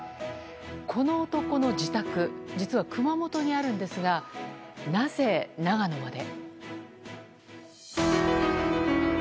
この男の自宅実は熊本にあるんですがなぜ、長野まで。